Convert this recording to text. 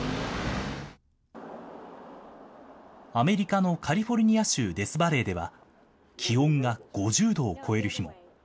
アメリカのカリフォルニア州デスバレーでは、気温が５０度を超える日も。